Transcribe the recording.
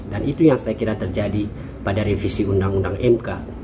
itu yang saya kira terjadi pada revisi undang undang mk